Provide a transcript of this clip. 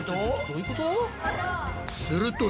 どういうこと？